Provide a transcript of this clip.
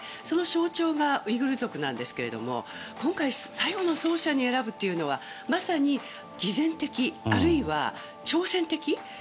その象徴がウイグル族ですが今回、最後の走者に選ぶというのは、まさに偽善的あるいは挑戦的。